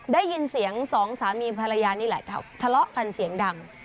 ได้ยินเสียงสองสามีภรรยานี่แหละทะเลาะกันเสียงดัง